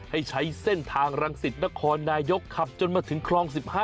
ให้ใช้เส้นทางรังสิตนครนายกขับจนมาถึงคลอง๑๕